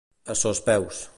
A sos peus.